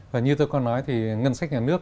và như tôi có nói thì ngân sách nhà nước